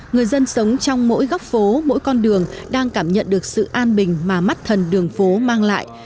người dân sống trong mỗi góc phố mỗi con đường đang cảm nhận được sự an bình mà mắt thần đường phố mang lại